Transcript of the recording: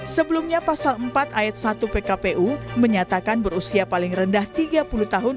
sebelumnya pasal empat ayat satu pkpu menyatakan berusia paling rendah tiga puluh tahun